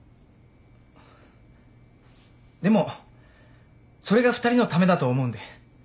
でもそれが２人のためだと思うんで。